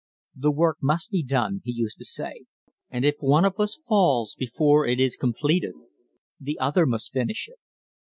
"The work must be done," he used to say, "and if one of us falls before it is completed, the other must finish it."